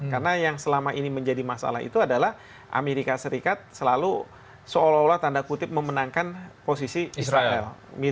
karena yang selama ini menjadi masalah itu adalah amerika serikat selalu seolah olah tanda kutip memenangkan posisi israel